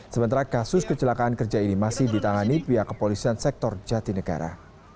sementara kasus kecelakaan kerja ini masih ditangani pihak kepolisian sektor jatinegara